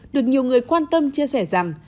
được nhiều người quan tâm chia sẻ rằng